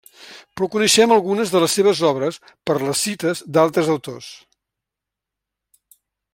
Però coneixem algunes de les seves obres per les cites d'altres autors.